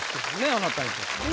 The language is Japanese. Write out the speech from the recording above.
あなたにとってはね。